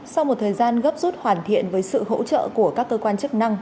sau một thời gian gấp rút hoàn thiện với sự hỗ trợ của các cơ quan chức năng